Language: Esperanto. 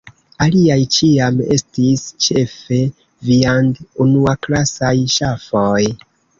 Aliaj ĉiam estis ĉefe viand-unuaklasaj ŝafoj.